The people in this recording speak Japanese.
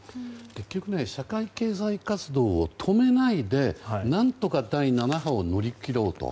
結局、社会経済活動を止めないで何とか第７波を乗り切ろうと。